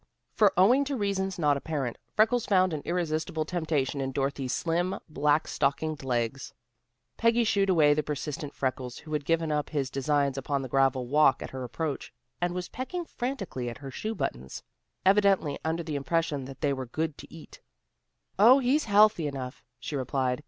For owing to reasons not apparent, Freckles found an irresistible temptation in Dorothy's slim, black stockinged legs. Peggy shooed away the persistent Freckles, who had given up his designs upon the gravel walk at her approach, and was pecking frantically at her shoe buttons, evidently under the impression that they were good to eat. "Oh, he's healthy enough," she replied.